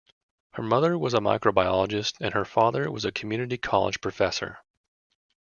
Her mother was a microbiologist and her father was a community college professor.